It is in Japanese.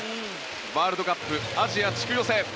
ワールドカップアジア地区予選